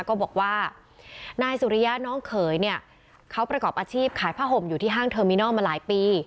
ก็บอกว่านายสุริยะน้องเขยเนี่ยเขาประกอบอาชีพขายผ้าห่มอยู่ที่ห้างเทอร์มินอลมาหลายปี